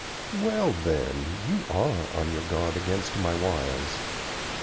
"Well, then, you are on your guard against my wiles.